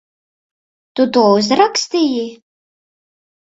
Tu to uzrakstīji?